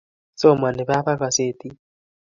Somani baba kasetit